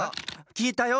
きえたよ。